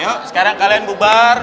yuk sekarang kalian bubar